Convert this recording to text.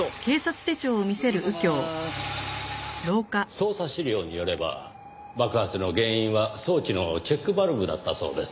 捜査資料によれば爆発の原因は装置のチェックバルブだったそうです。